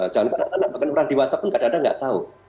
jangankan anak anak bahkan orang dewasa pun kadang kadang tidak tahu